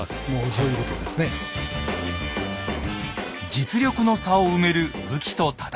実力の差を埋める武器と戦い方。